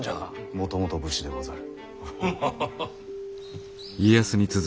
もともと武士でござる。